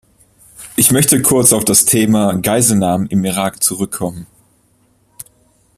Ich möchte kurz auf das Thema Geiselnahmen im Irak zurückkommen.